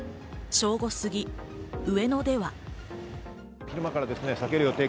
正午すぎ、上野では。